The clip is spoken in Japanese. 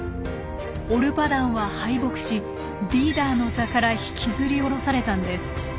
オルパダンは敗北しリーダーの座から引きずり降ろされたんです。